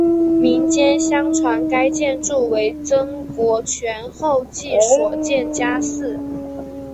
民间相传该建筑为曾国荃后裔所建家祠。